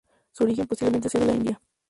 Su origen posiblemente sea de la India.